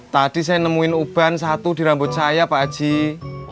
tadi saya nemuin uban satu di rambut saya pakcik